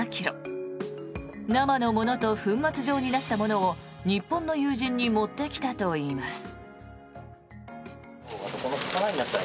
生のものと粉末状になったものを日本の友人に持ってきたといいます。